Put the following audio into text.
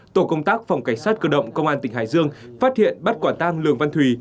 tổ công tác phòng cảnh sát cơ động công an tỉnh hải dương phát hiện bắt quả tang lường văn thùy